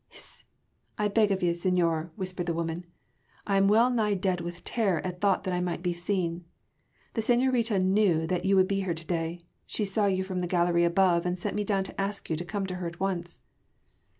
"Hist! I beg of you, señor," whispered the woman, "I am well nigh dead with terror at thought that I might be seen. The señorita knew that you would be here to day: she saw you from the gallery above, and sent me down to ask you to come to her at once."